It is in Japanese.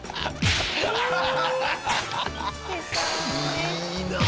いいなあ。